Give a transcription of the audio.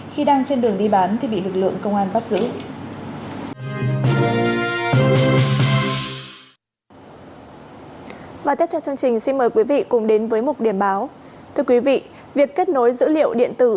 khi đang trên đường đi bán thì bị lực lượng công an bắt giữ